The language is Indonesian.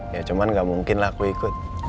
ya cuman gak mungkin lah aku ikut